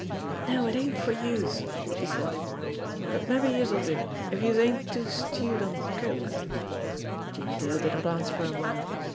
"No, it ain't for youse," she said ; "but mabbe youse'll do, if youse ain't too stewed on coke." Jimmie Dale did not answer for a moment.